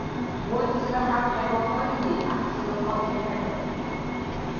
Вайсила хӀял хӀебагьалли, гӀяхӀсила кьадри хӀебала.